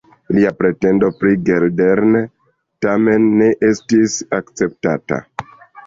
Lia pretendo pri Geldern tamen ne estis akceptata.